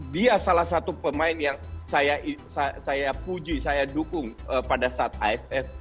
dia salah satu pemain yang saya puji saya dukung pada saat aff